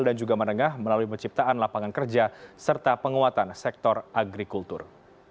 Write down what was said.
dan juga menengah melalui penciptaan lapangan kerja serta penguatan sektor agrikultur